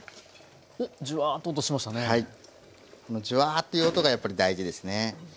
ジュワーッという音がやっぱり大事ですね。